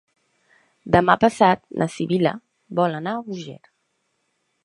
Demà passat na Sibil·la vol anar a Búger.